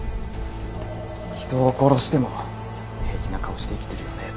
人を殺しても平気な顔して生きてるような奴です。